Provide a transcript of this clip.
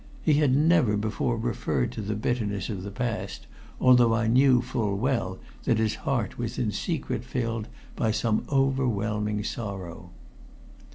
He had never before referred to the bitterness of the past, although I knew full well that his heart was in secret filled by some overwhelming sorrow.